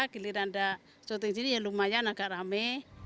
giliran ada syuting sini ya lumayan agak rame